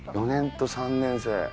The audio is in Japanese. ４年と３年生。